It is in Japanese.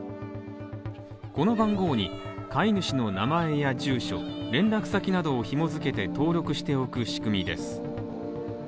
この番号に飼い主の名前や住所、連絡先などを紐づけて登録しておく仕組みです。